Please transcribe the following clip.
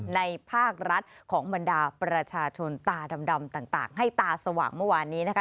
ภาครัฐของบรรดาประชาชนตาดำต่างให้ตาสว่างเมื่อวานนี้นะคะ